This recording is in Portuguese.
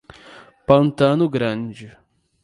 Pantano Grande